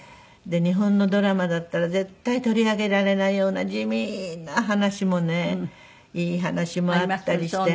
日本のドラマだったら絶対取り上げられないような地味な話もねいい話もあったりして。